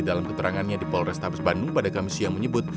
dalam keterangannya di polrestabes bandung pada kamis yang menyebut